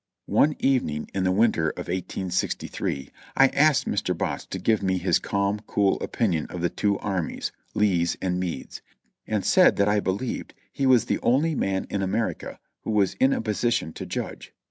One evening, in the winter of 1863, I asked Mr. Botts to give me his calm, cool opinion of the two armies (Lee's and Meade's), and said that I believed he was the only man in America who was in a position to judge.